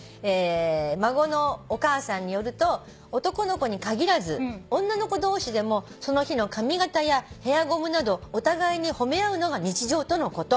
「孫のお母さんによると男の子に限らず女の子同士でもその日の髪形やヘアゴムなどお互いに褒め合うのが日常とのこと」